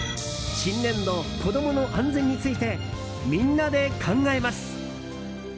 新年度、子供の安全についてみんなで考えます。